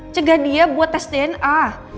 cegah dia buat tes dna